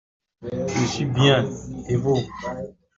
Je suis bien, et vous ?